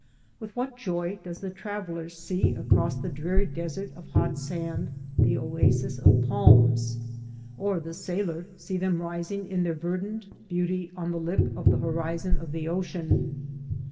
With what joy does the traveller see across the dreary desert of hot sand, the oasis of palms, or the sailor see them rising in their verdant beauty on the lip of the horizon of the ocean!